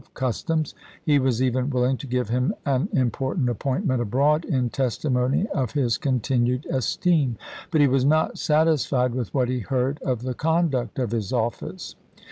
customs ; he was even willing to give him an im portant appointment abroad in testimony of his continued esteem; but he was not satisfied with what he heard of the conduct of his office.